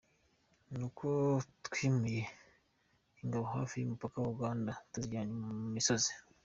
Ni uko twimuye ingabo hafi y’umupaka wa Uganda tuzijyana mu misozi.